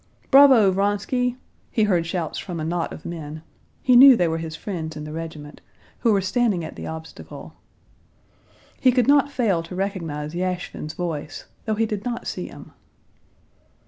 "Bravo, Vronsky!" he heard shouts from a knot of men—he knew they were his friends in the regiment—who were standing at the obstacle. He could not fail to recognize Yashvin's voice though he did not see him.